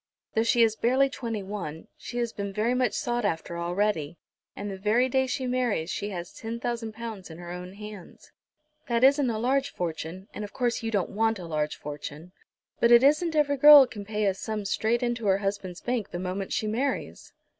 Though she is barely twenty one, she has been very much sought after already, and the very day she marries she has ten thousand pounds in her own hands. That isn't a large fortune, and of course you don't want a large fortune, but it isn't every girl can pay such a sum straight into her husband's bank the moment she marries!"